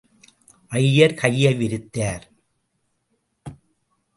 ஐயர் கையை விரித்தார்.